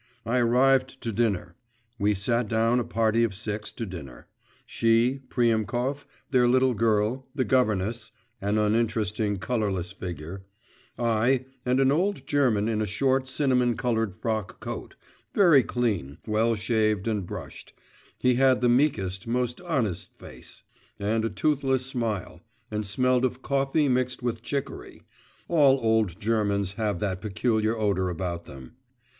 I arrived to dinner. We sat down a party of six to dinner: she, Priemkov, their little girl, the governess (an uninteresting colourless figure), I, and an old German in a short cinnamon coloured frock coat, very clean, well shaved and brushed; he had the meekest, most honest face, and a toothless smile, and smelled of coffee mixed with chicory … all old Germans have that peculiar odour about them.